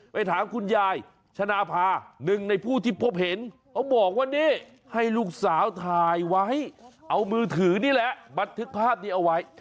ไปถามคุณยายชนะภาหนึ่งในผู้ที่พบเห็นเขาบอกว่านี่ให้ลูกสาวถ่ายไว้เอามือถือนี่แหละบันทึกภาพนี้เอาไว้